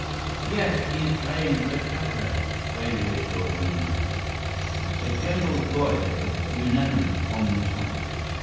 "'Yes, he is playing "The Chaplet,"' they reassured one another. The general voice was unanimous on the subject.